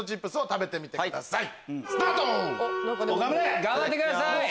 頑張れ！頑張ってください！